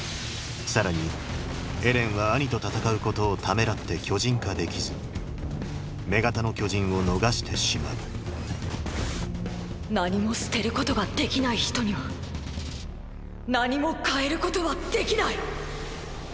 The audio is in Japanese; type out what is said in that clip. さらにエレンはアニと戦うことをためらって巨人化できず女型の巨人を逃してしまう何も捨てることができない人には何も変えることはできない。